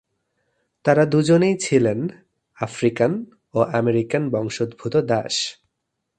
তারা দুজনেই ছিলেন, আফ্রিকান ও আমেরিকান বংশদ্ভুত দাস।